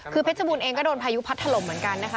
คือเพชรบูรณเองก็โดนพายุพัดถล่มเหมือนกันนะคะ